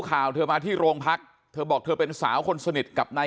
ข่าวเธอมาที่โรงพักเธอบอกเธอเป็นสาวคนสนิทกับนาย